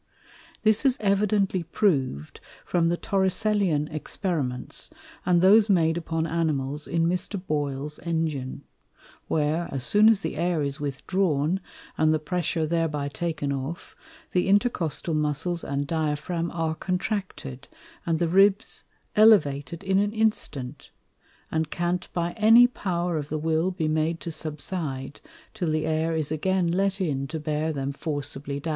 This is evidently prov'd from the Torricellian Experiments, and those made upon Animals in Mr. Boyle's Engine; where, as soon as the Air is withdrawn, and the pressure thereby taken off, the Intercostal Muscles and Diaphragm are contracted, and the Ribs elevated in an instant, and can't by any Power of the Will be made to subside, till the Air is again let in to bear them forcibly down.